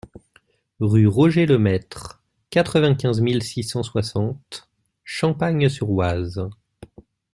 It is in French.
Rue Roger Lemaître, quatre-vingt-quinze mille six cent soixante Champagne-sur-Oise